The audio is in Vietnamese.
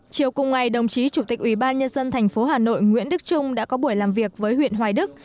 chiều cùng ngày đồng chí chủ tịch ủy ban nhân dân thành phố hà nội nguyễn đức trung đã có buổi làm việc với huyện hoài đức